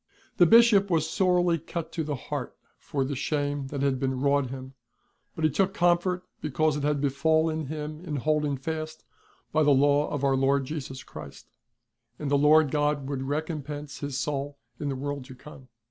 The Bishop was sorely cut to the heart for the shame that had been wrought him, but he took comfort because it had befallen him in holding fast by the Law of Our Lord Jesus Christ ; and the Lord God would recompense his soul in the world to come.